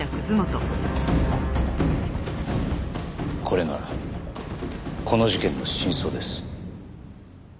これがこの事件の真相です。